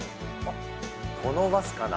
このバスかな。